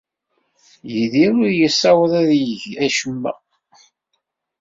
Yidir ur yessawaḍ ad yeg acemma.